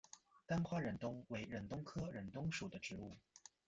单花忍冬为忍冬科忍冬属的植物。